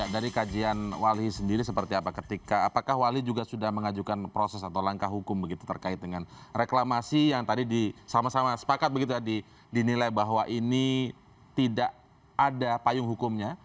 dari kajian wali sendiri seperti apa ketika apakah wali juga sudah mengajukan proses atau langkah hukum begitu terkait dengan reklamasi yang tadi sama sama sepakat begitu ya dinilai bahwa ini tidak ada payung hukumnya